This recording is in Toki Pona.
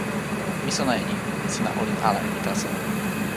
mi sona e ni: sina olin ala e mi taso.